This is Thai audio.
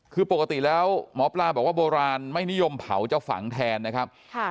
คือปกติแล้วหมอปลาบอกว่าโบราณไม่นิยมเผาจะฝังแทนนะครับ